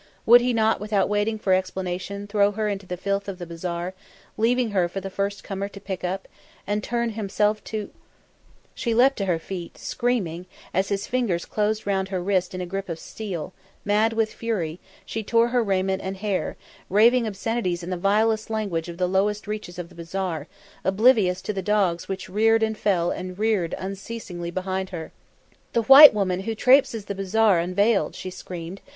Would he not, without waiting for explanation, throw her into the filth of the bazaar, leaving her for the first comer to pick up, and turn himself to " She leapt to her feet, screaming, as his fingers closed round her wrist in a grip of steel; mad with fury, she tore her raiment and hair, raving obscenities in the vilest language of the lowest reaches of the bazaar, oblivious of the dogs which reared and fell and reared unceasingly behind her. "The white woman who trapeses the bazaar unveiled," she screamed.